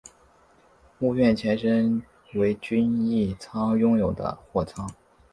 屋苑前身为均益仓拥有的货仓。